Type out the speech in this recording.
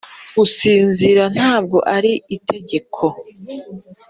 gusinzira ntabwo ari itegeko.